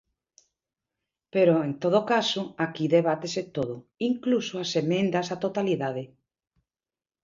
Pero, en todo caso, aquí debátese todo, incluso as emendas á totalidade.